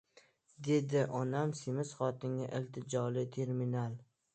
— dedi onam semiz xotinga iltijoli termilib.